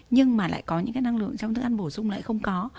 nhưng mà lại có những cái năng lượng trong thức ăn bổ sung lại không có